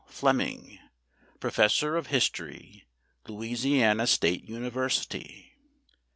FLEMING, PROFESSOR OF HISTORY, LOUISIANA STATE UNIVERSITY.